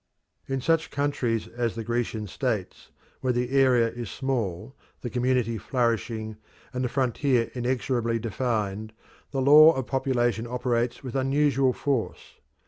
In such countries as the Grecian states, where the area is small, the community flourishing, and the frontier inexorably defined, the law of population operates with unusual force.